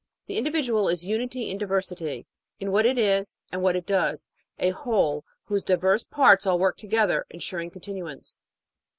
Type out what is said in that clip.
The individual is unity in diversity in what it is and what it does a whole whose diverse parts all work together, ensuring continuance.